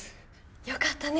よかったね美都。